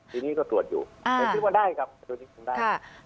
นี้ก็ตรวจอยู่คือว่าได้ครับตรวจนี้คุณได้